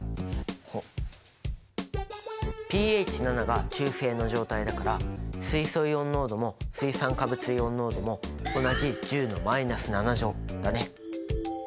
ｐＨ７が中性の状態だから水素イオン濃度も水酸化物イオン濃度も同じ１０だね。